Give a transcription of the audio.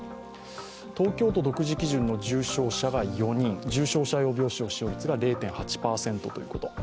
東京都独自基準の重症者が４人、重症者用病床使用率が０．８％ということ。